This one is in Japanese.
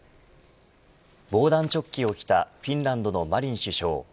防弾チョッキを着たフィンランドのマリン首相。